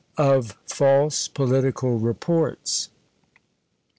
OF FALSE POLITICAL REPORTS.